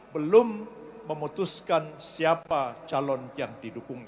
belum memutuskan siapa calon yang didukungnya